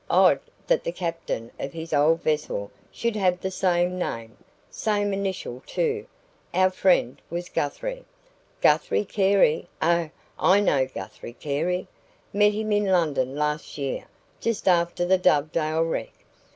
Odd that the captain of his old vessel should have the same name same initial too. Our friend was Guthrie " "Guthrie Carey? Oh, I know Guthrie Carey. Met him in London last year, just after the DOVEDALE wreck.